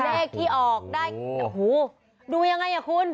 เลขที่ออกได้โอ้โหดูยังไงอ่ะคุณ